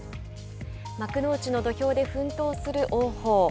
幕内の土俵で奮闘する王鵬。